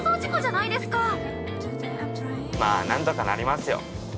◆まあ、なんとかなりますよ！